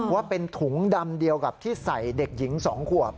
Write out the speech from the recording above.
ว่าเป็นถุงดำเดียวกับที่ใส่เด็กหญิง๒ขวบ